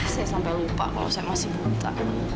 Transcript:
saya sampai lupa kalau saya masih buta